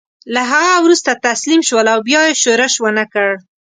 له هغه وروسته تسلیم شول او بیا یې ښورښ ونه کړ.